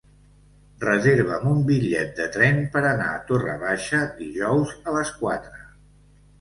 Reserva'm un bitllet de tren per anar a Torre Baixa dijous a les quatre.